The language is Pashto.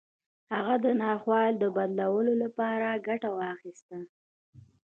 هغه د ناخوالو د بدلولو لپاره ګټه واخيسته.